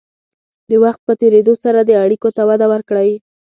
د وخت په تېرېدو سره دې اړیکو ته وده ورکړئ.